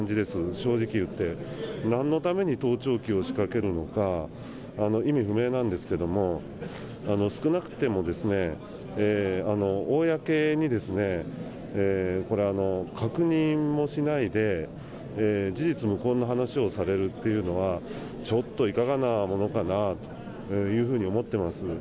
正直言って、なんのために盗聴器を仕掛けるのか、意味不明なんですけど、少なくとも公にですね、これ、確認もしないで、事実無根の話をされるっていうのは、ちょっといかがなものかなというふうに思ってます。